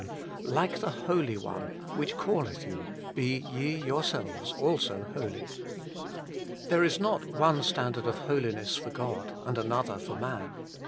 Like the Holy One, which calleth you, be ye yourselves also holy.' There is not one standard of Holiness for God and another for man.